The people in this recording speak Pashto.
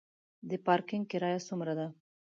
د پارکینګ کرایه څومره ده؟